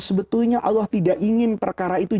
sebetulnya allah tidak ingin perkara itu